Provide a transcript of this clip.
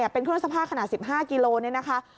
เป็นเครื่องซักผ้าขนาด๑๕กิโลนี่นะคะ